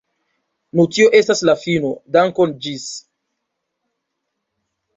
Nu tio estas la fino, dankon ĝis.